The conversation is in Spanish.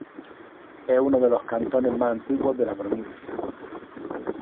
Es uno de los cantones más antiguos de la provincia.